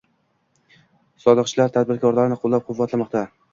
Soliqchilar tadbirkorlarni qo‘llab-quvvatlamoqda